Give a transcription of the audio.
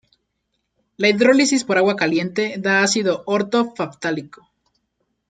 La hidrólisis por agua caliente da ácido "orto"-ftálico.